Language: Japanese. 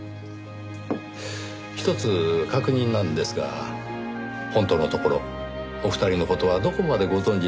ひとつ確認なのですが本当のところお二人の事はどこまでご存じだったのですか？